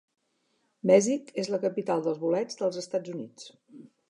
Mesick és la capital dels bolets dels Estats Units.